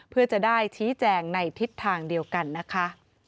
เพื่อจะได้ชี้แจงในทิศทางเดียวกันนะคะ